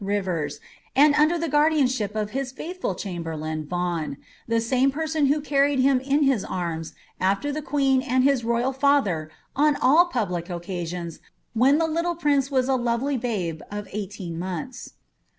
Rivers, and the guar dianship of his faithful chamberlain, Vaughan, the same person who carried him in his arms, after the queen and his royal father, on all pub lic occasions, when the little prince was a lovely babe of eighteen months old.